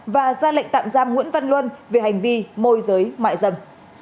và ra lệnh tạm giam nguyễn văn luân về hành vi môi giới mại dâm